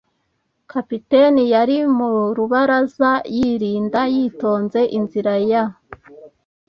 Kapiteni yari mu rubaraza, yirinda yitonze inzira ya a